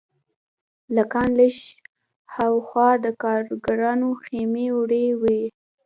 له کان لږ هاخوا د کارګرانو خیمې ولاړې وې